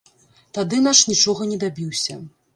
Тады наш нічога не дабіўся.